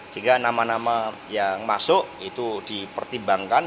sehingga nama nama yang masuk itu dipertimbangkan